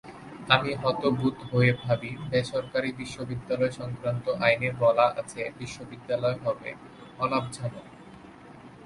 আমি হতবুদ্ধ হয়ে ভাবি, বেসরকারি বিশ্ববিদ্যালয়-সংক্রান্ত আইনে বলা আছে, বিশ্ববিদ্যালয় হবে অলাভজনক।